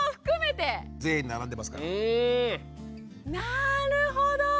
なるほど。